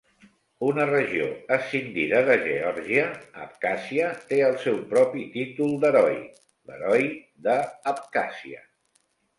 Una regió escindida de Geòrgia, Abkhàzia, té el seu propi títol d'heroi, l'"Heroi de Abkhàzia".